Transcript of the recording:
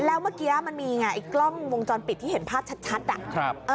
แล้วเมื่อกี้มันมีไงไอ้กล้องวงจรปิดที่เห็นภาพชัดอ่ะ